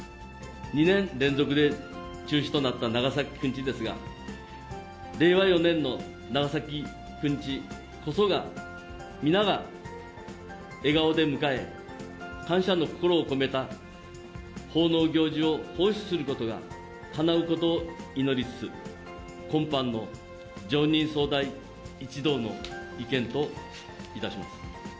２年連続で中止となった長崎くんちですが、令和４年の長崎くんちこそが、皆が笑顔で迎え、感謝の心を込めた奉納行事を奉仕することがかなうことを祈りつつ、今般の常任総代一同の意見といたします。